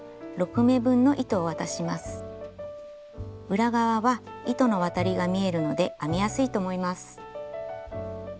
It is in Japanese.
裏側は糸の渡りが見えるので編みやすいと思います。